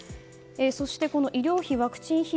そして、医療費、ワクチン費用